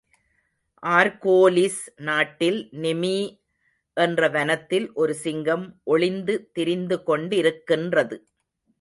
Argolis நாட்டில் நிமீ என்ற வனத்தில் ஒரு சிங்கம் ஒளிந்து திரிந்துகொண்டிருக்கின்றது.